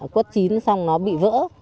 quất chín xong nó bị vỡ